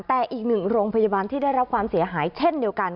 แต่อีกหนึ่งโรงพยาบาลที่ได้รับความเสียหายเช่นเดียวกัน